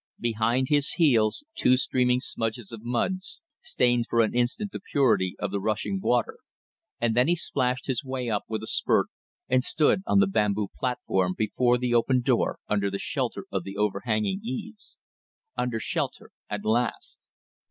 Behind his heels two streaming smudges of mud stained for an instant the purity of the rushing water, and then he splashed his way up with a spurt and stood on the bamboo platform before the open door under the shelter of the overhanging eaves under shelter at last!